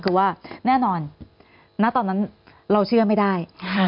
คือว่าแน่นอนณตอนนั้นเราเชื่อไม่ได้